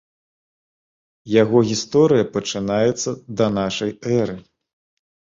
Яго гісторыя пачынаецца да нашай эры.